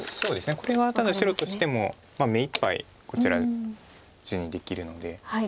これはただ白としても目いっぱいこちら地にできるので。